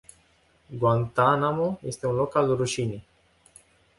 Guantánamo este un loc al rușinii.